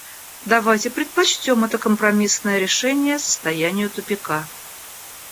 Давайте предпочтем это компромиссное решение состоянию тупика.